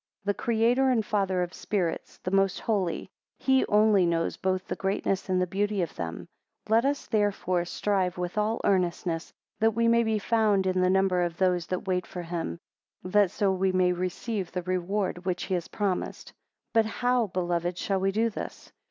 5 The Creator and Father of spirits, the Most Holy; he only knows both the greatness and beauty of them, 6 Let us therefore strive with all earnestness, that we may be found in the number of those that wait for him, that so we may receive the reward which he has promised. 7 But how, beloved, shall we do this?